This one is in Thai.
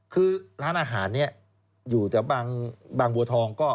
คือร้านอาหารนี้อยู่แต่บางบัวทองก็